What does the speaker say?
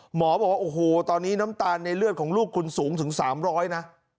หมอบอกว่าโอ้โหตอนนี้น้ำตาลในเลือดของลูกคุณสูงถึง๓๐๐นะ